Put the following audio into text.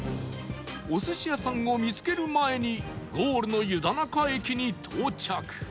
お寿司屋さんを見つける前にゴールの湯田中駅に到着